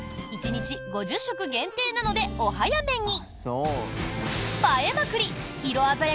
１日５０食限定なのでお早めに！